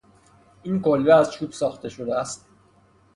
این کلبه از چوب ساخته شده است.